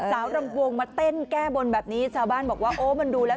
รำวงมาเต้นแก้บนแบบนี้ชาวบ้านบอกว่าโอ้มันดูแล้ว